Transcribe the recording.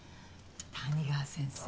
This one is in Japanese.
谷川先生